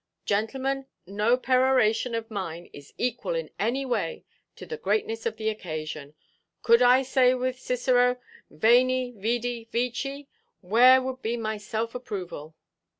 Gentlemen, no peroration of mine is equal in any way to the greatness of the occasion; could I say, with Cicero, 'Veni, vidi, vici,' where would be my self–approval?